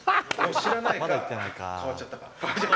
知らないか、変わっちゃったか。